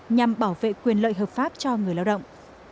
nhằm bảo vệ quyền lợi hợp pháp cho người lao động